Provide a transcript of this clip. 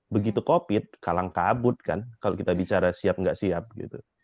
begitu covid kalang kabut kan kalau kita bicara siap atau tidak siap